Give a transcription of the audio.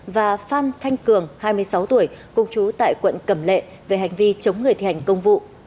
và phan thanh cường hai mươi sáu tuổi công chú tại quận cẩm lệ về hành vi chống người thi hành công vụ